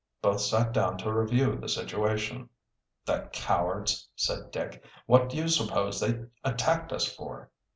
Both sat down to review the situation. "The cowards!" said Dick. "What do you suppose they attacked us for?"